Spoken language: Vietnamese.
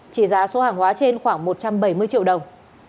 trị giá số hàng hóa trên khoảng một trăm bảy mươi triệu đồng